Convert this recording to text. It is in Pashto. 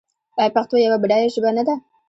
آیا پښتو یوه بډایه ژبه نه ده؟